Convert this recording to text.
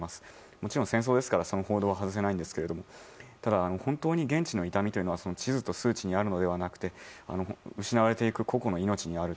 もちろん戦争ですからその報道は外せないんですがただ、本当に現地の痛みは地図と数値にあるのではなくて失われていく個々の命にある。